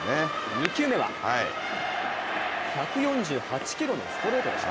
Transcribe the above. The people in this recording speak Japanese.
２球目は１４８キロのストレートでした。